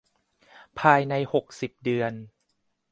ภายใน หกสิบ เดือน